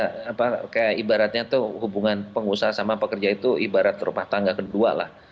kayak ibaratnya tuh hubungan pengusaha sama pekerja itu ibarat terpah tangga kedua lah